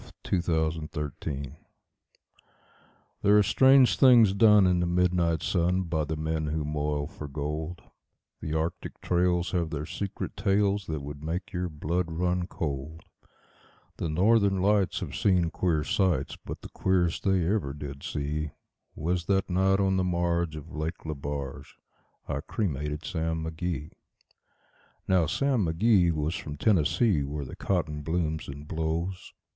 The Cremation of Sam Mcgee There are strange things done in the midnight sun By the men who moil for gold; The Arctic trails have their secret tales That would make your blood run cold; The Northern Lights have seen queer sights, But the queerest they ever did see Was that night on the marge of Lake Lebarge I cremated Sam McGee. Now Sam McGee was from Tennessee, where the cotton blooms and blows.